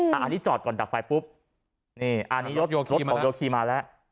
อันนี้จอดก่อนดับไฟปุ๊บนี่อันนี้รถของโยคีมาแล้ว